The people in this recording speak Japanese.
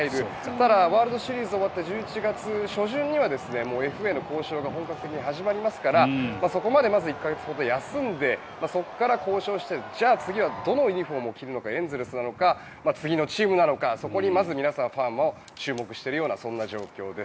ただワールドシリーズが終わって１１月初旬にはＦＡの交渉が本格的に始まりますからそこまでまず１か月ほど休んでそこから交渉してじゃあ次はどのユニホームを着るのかエンゼルスなのか次のチームなのかそこに、皆さんファンも注目しているような状況です。